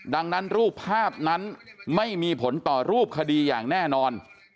ดังนั้นรูปภาพนั้นไม่มีผลต่อรูปคดีอย่างแน่นอน